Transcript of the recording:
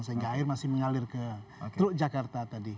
sehingga air masih mengalir ke truk jakarta tadi